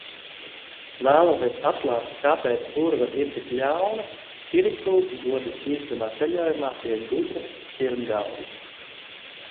Vēloties atklāt, kāpēc burve ir tik ļauna, Kirikū dodas bīstamā ceļojumā pie gudra sirmgalvja.